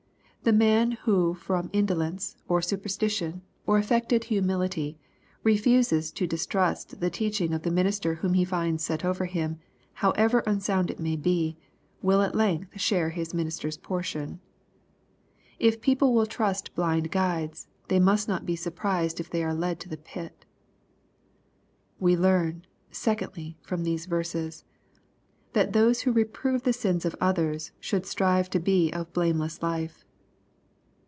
The man who from indolence, or superstition, or affected humility, refuses to distrust the teaching of the minister whom he finds set over him, however unsound it may be, will at length share his minister's portion. If people will trust blind guides, they must not be surprised if they are led to the pit. We learn, secondly, from these verses, that those who reprove the sins of others should strive to be of blameless life.